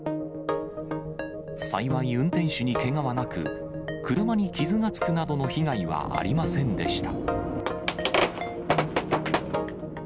幸い、運転手にけがはなく、車に傷がつくなどの被害はありませんでした。